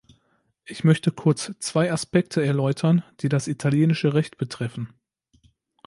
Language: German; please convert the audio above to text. Ich möchte kurz zwei Aspekte erläutern, die das italienische Recht betreffen.